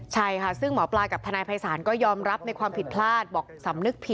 ใช่ค่ะซึ่งหมอปลากับทนายภัยศาลก็ยอมรับในความผิดพลาดบอกสำนึกผิด